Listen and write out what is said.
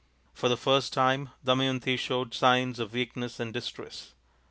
For the first time Damayanti showed signs of weakness and distress.